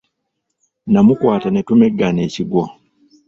Namukwata ne tumeggana ekiggwo.